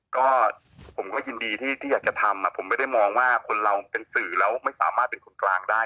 ก็ผมก็ยินดีที่อยากจะทำผมไม่ได้มองว่าคนเราเป็นสื่อแล้วไม่สามารถเป็นคนกลางได้